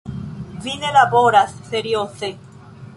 Vi ne laboras serioze.